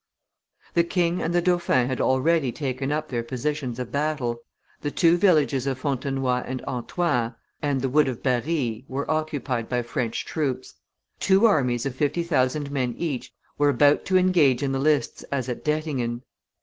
The king and the dauphin had already taken up their positions of battle; the two villages of Fontenoy and Antoin, and the wood of Barri, were occupied by French troops. Two armies of fifty thousand men each were about to engage in the lists as at Dettingen.